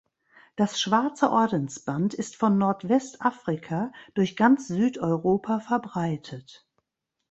Das Schwarze Ordensband ist von Nordwestafrika durch ganz Südeuropa verbreitet.